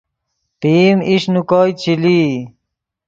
پئیم ایش نے کوئے چے لئی